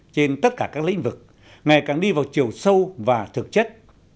trên tất cả các lĩnh vực ngày càng đi vào chiều sâu và thực chất